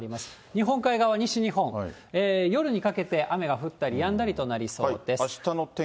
日本海側、西日本、夜にかけて雨が降ったりやんだりとなりそうです。